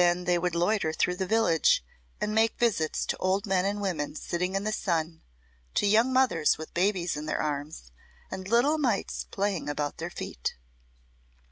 Then they would loiter through the village and make visits to old men and women sitting in the sun, to young mothers with babies in their arms and little mites playing about their feet.